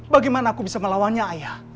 bagaimana aku bisa melawannya ayah